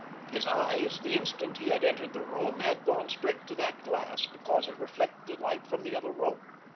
His eyes, the instant he had entered the room, had gone straight to that glass because it reflected the light from the other room.